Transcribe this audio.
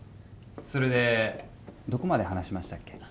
それでどこまで話しましたっけ？